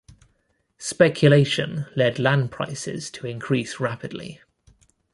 Speculation led land prices to increase rapidly.